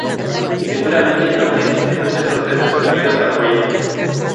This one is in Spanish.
Y seguramente aun existen muchas sorpresas escondidas bajo ella.